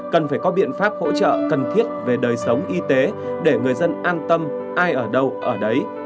cần phải có biện pháp hỗ trợ cần thiết về đời sống y tế để người dân an tâm ai ở đâu ở đấy